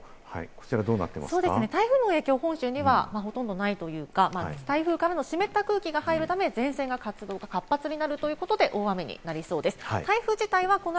今、気になるのがね、台風も気になるんですけれども、こちらどう台風の影響、本州にはほとんどないというか、台風からの湿った空気が入るため、前線の活動が活発になるということで大雨になりそうです。